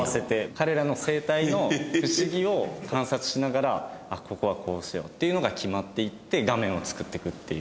彼らの生態の不思議を観察しながらあっここはこうしようっていうのが決まっていって画面を作っていくっていう。